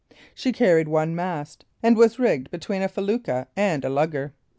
She carried one mast, and was rigged between a felucca and a lugger.